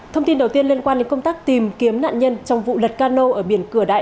thông tin đầu tiên liên quan đến công tác tìm kiếm nạn nhân trong vụ lật cano ở biển cửa đại